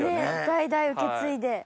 代々受け継いで。